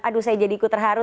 aduh saya jadi kuterharu